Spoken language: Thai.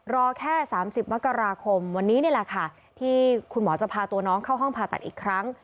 รอแค่๓๐มกราคมวันนี้นี่แหละค่ะที่คุณหมอจะพาตัวน้องเข้าห้องผ่าตัดอีกครั้ง